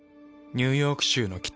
ニューヨーク州の北。